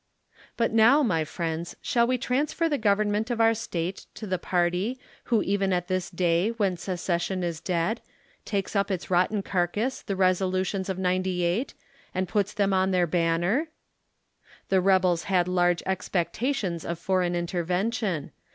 But now, my friends, shall we transfer the Government of our State, to the party, Avho even at this day when se cession is dead, takes up its rotten carcass, the resolutions of '98, and puts them on their banner? The rebels had large expectations of foreign intervention.